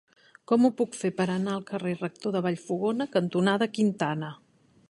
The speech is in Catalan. Com ho puc fer per anar al carrer Rector de Vallfogona cantonada Quintana?